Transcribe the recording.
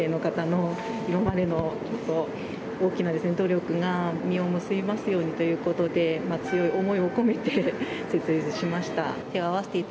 受験生の方の今までの大きな努力が実を結びますようにということで強い思いを込めて設立しました。